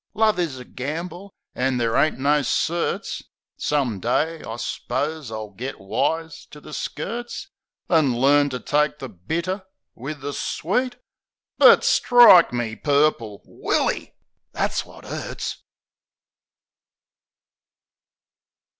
Love is a gamble, an' there ain't no certs. Some day, I s'pose, I'll git wise to the skirts, An' learn to take the bitter wiv the sweet ... But, strike me purple! "Willie!" Thafs wot 'urts.